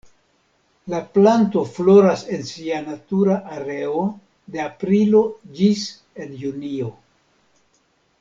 La planto floras en sia natura areo de aprilo ĝis en junio.